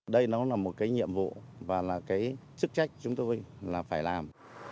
đây nó là một cái nhiệm vụ và là cái chức trách chúng tôi là phải làm